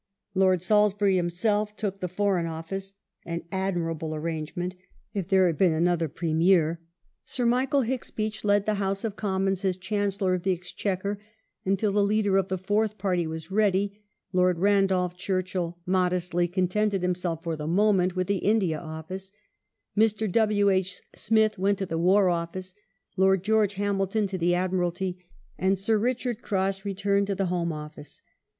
Lord Salisbury himself took the Foreign Office — an admirable arrangement, if there had been another Premier ; Sir Michael Hicks Beach led the House of Commons as Chancellor of the Exchequer — until the leader of the Fourth Party was ready ; Lord Randolph Churchill modestly con tented himself, for the moment, with the India Office;; Mr. W. H. Smith went to the War Office, Lord George Hamilton to the Admiralty, and Sir Richard Cross returned to the Home Office.